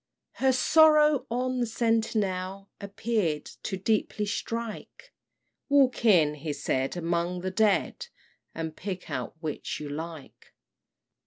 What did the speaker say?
Her sorrow on the sentinel Appear'd to deeply strike: "Walk in," he said, "among the dead, And pick out which you like."